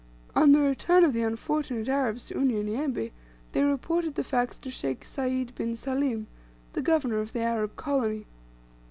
On the return of the unfortunate Arabs to Unyanyembe, they reported the facts to Sheikh Sayd bin Salim, the governor of the Arab colony.